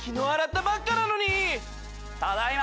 ただいま！